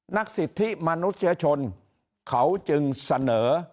นักศิษย์ที่มนุษยชนเขาจึงเสนอ